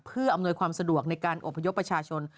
เพื่ออำนวยความสะดวกในการอบพยพประชาชน